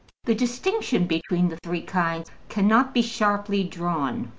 The distinction between the three kinds cannot be sharply drawn.